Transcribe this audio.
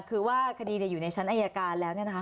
คือว่าคดีเนี่ยอยู่ในชั้นอายการแล้วเนี่ยนะครับ